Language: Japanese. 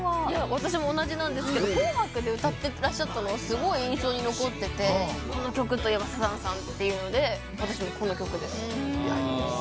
私も同じなんですけど『紅白』で歌ってらっしゃったのすごい印象に残っててこの曲といえばサザンさんっていうので私もこの曲です。